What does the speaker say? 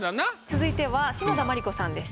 続いては篠田麻里子さんです。